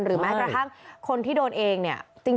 หรือแม้ประทับคนที่โดนเองเนี่ย